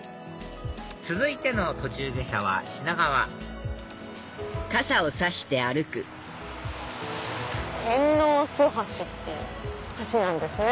続いての途中下車は品川「てんのうすはし」っていう橋なんですね。